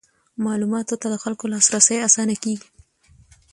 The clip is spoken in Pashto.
معلوماتو ته د خلکو لاسرسی اسانه کیږي.